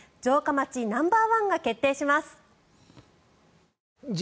町ナンバーワンが決定します。